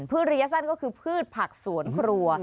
ระยะสั้นก็คือพืชผักสวนครัว